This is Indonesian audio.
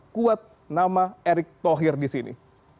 kuat nama erick thohir di sini